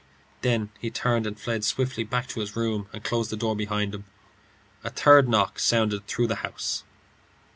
Then he turned and fled swiftly back to his room, and closed the door behind him. A third knock sounded through the house.